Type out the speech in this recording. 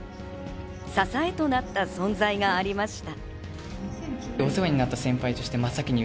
支えとなった存在がありました。